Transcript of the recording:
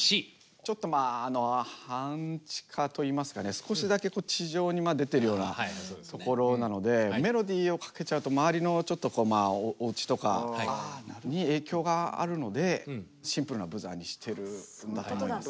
少しだけ地上に出てるような所なのでメロディをかけちゃうと周りのちょっとおうちとかに影響があるのでシンプルなブザーにしてるんだと思います。